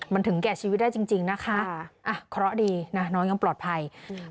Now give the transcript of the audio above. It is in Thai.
มันถึงแก่ชีวิตได้จริงนะคะอะเคาระดีนะน้อยังปลอดภัย